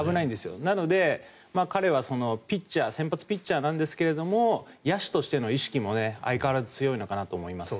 なので彼は先発ピッチャーなんですが野手としての意識も相変わらず強いのかなと思います。